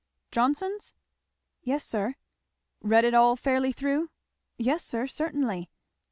Johnson's?" "Yes sir." "Read it all fairly through?" "Yes sir, certainly."